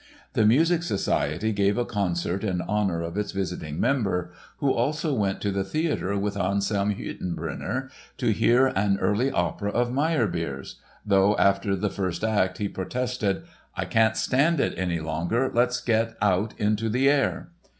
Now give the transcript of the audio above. The Music Society gave a concert in honor of its visiting member, who also went to the theatre with Anselm Hüttenbrenner to hear an early opera of Meyerbeer's—though after the first act he protested: "I can't stand it any longer, let's get out into the air."